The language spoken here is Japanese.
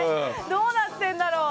どうなってるんだろう。